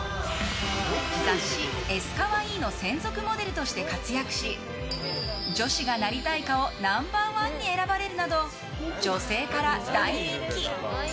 雑誌「ＳＣａｗａｉｉ！」の専属モデルとして活躍し女子がなりたい顔ナンバー１に選ばれるなど、女性から大人気。